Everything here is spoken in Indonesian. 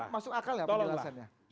masuk akal ya penjelasannya